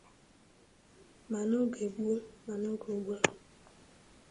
ma n'oge gboo ma n'oge ugbu a